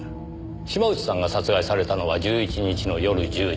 島内さんが殺害されたのは１１日の夜１０時。